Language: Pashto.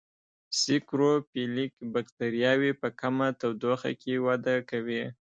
سیکروفیلیک بکټریاوې په کمه تودوخه کې وده کوي.